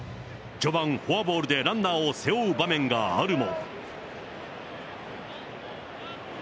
序盤、フォアボールでランナーを背負う場面があるも。